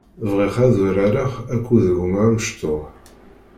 Bɣiɣ ad urareɣ akked gma amecṭuḥ.